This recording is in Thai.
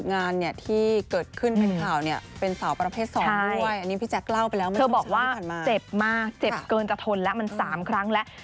มากเจ็บเกินจะทนแล้วมัน๓ครั้งแล้ว